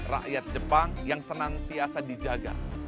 rakyat jepang yang senantiasa dijaga